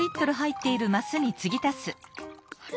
あれ？